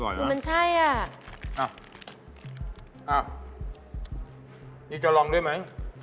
อร่อยแล้วมันใช่อ่ะอ้าวอ้าวนี่จะลองด้วยไหม